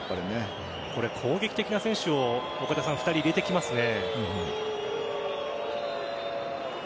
攻撃的な選手を２人入れてきますね。